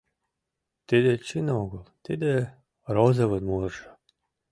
Тиде чын огыл, тиде — Розовын мурыжо.